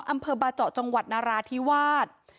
อำเภอบาเจาะจังหวัดนราธิวาส